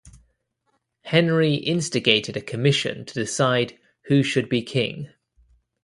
Henry instigated a commission to decide who should be king.